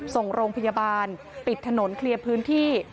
ส่งโรงพยาบาลปิดถนนเคลียร์พื้นที่